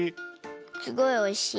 すごいおいしい。